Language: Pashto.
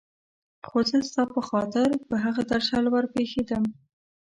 زه خو ستا په خاطر پر هغه درشل ور پېښېدم.